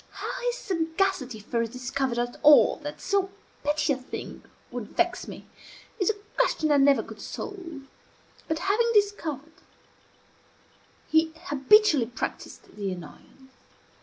How his sagacity first discovered at all that so petty a thing would vex me, is a question I never could solve; but having discovered, he habitually practised the annoyance.